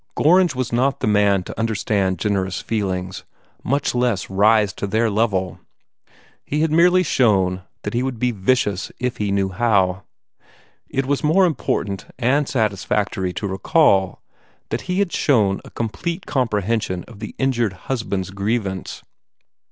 Gorringe was not the man to understand generous feelings, much less rise to their level. He had merely shown that he would be vicious if he knew how. It was more important and satisfactory to recall that he had also shown a complete comprehension of the injured husband's grievance.